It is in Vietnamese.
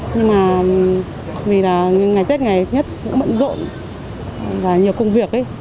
nhưng mà vì là ngày tết ngày nhất cũng mận rộn và nhiều công việc